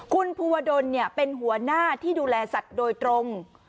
คุณภูวดลเป็นหัวหน้าที่ดูแลสัตว์โดยตรง